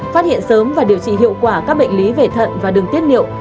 phát hiện sớm và điều trị hiệu quả các bệnh lý về thận và đường tiết niệu